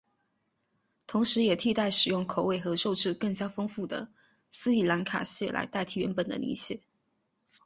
同时也替代使用口味和肉质更加丰富的斯里兰卡蟹来代替原本的泥蟹。